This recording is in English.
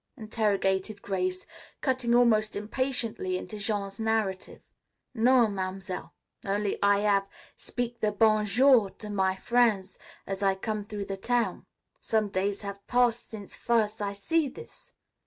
interrogated Grace, cutting almost impatiently into Jean's narrative. "No, Mam'selle. Only I hav' speak the bon jour to my frien's as I come through the town. Some days have pass since firs' I see this."